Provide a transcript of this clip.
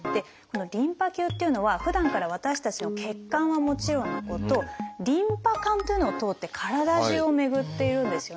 リンパ球っていうのはふだんから私たちの血管はもちろんのことリンパ管というのを通って体じゅうを巡っているんですよね。